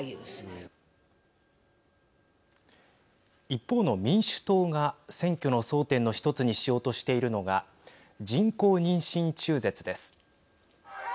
一方の民主党が選挙の争点の１つにしようとしているのが人工妊娠中絶です。